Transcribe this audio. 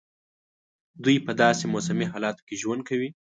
دوی په داسي موسمي حالاتو کې ژوند کوي.